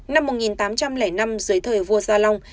năm một nghìn tám trăm linh năm dưới thời vua gia long